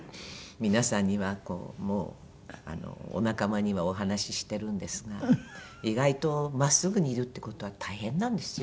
皆さんにはもうお仲間にはお話ししてるんですが意外と真っすぐにいるっていう事は大変なんですよ。